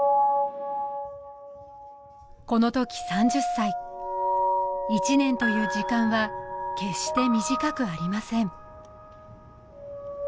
このとき３０歳１年という時間は決して短くありません